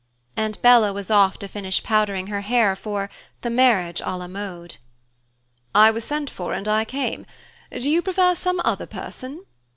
And Bella was off to finish powdering her hair for "The Marriage à la Mode." "I was sent for and I came. Do you prefer some other person?"